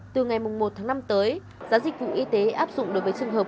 từ ngày một tháng năm tới giá dịch vụ y tế áp dụng đối với trường hợp